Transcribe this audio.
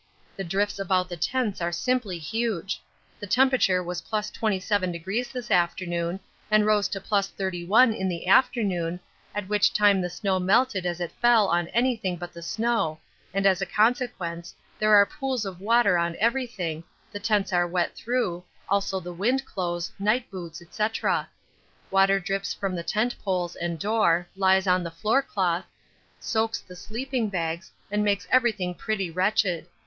The drifts about the tents are simply huge. The temperature was + 27° this forenoon, and rose to +31° in the afternoon, at which time the snow melted as it fell on anything but the snow, and, as a consequence, there are pools of water on everything, the tents are wet through, also the wind clothes, night boots, &c. water drips from the tent poles and door, lies on the floorcloth, soaks the sleeping bags, and makes everything pretty wretched.